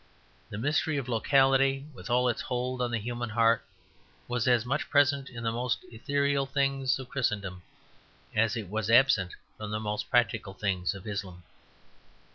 The mystery of locality, with all its hold on the human heart, was as much present in the most ethereal things of Christendom as it was absent from the most practical things of Islam.